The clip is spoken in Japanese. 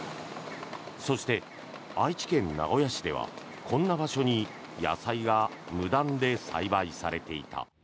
そして愛知県名古屋市ではこんな場所に野菜が無断で栽培されていた。